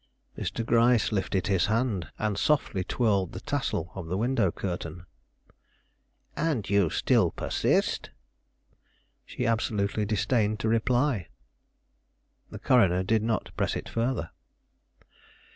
Mr. Gryce lifted his hand, and softly twirled the tassel of the window curtain. "And you still persist?" She absolutely disdained to reply. The coroner did not press it further.